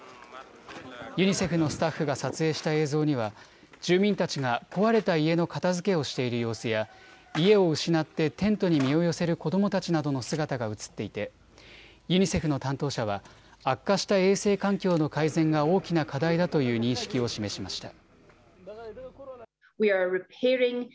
ユニセフのスタッフが撮影した映像には住民たちが壊れた家の片づけをしている様子や家を失ってテントに身を寄せる子どもたちなどの姿が映っていてユニセフの担当者は悪化した衛生環境の改善が大きな課題だという認識を示しました。